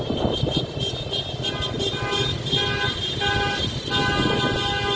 สุดท้ายสุดท้ายสุดท้ายสุดท้าย